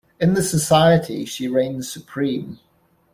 In this society, she reigns supreme.